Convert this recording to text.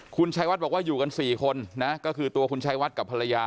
คุณชัยวัดบอกว่าอยู่กัน๔คนนะก็คือตัวคุณชายวัดกับภรรยา